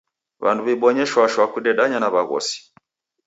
W'andu w'ibonye shwashwa kudedanya na w'aghosi.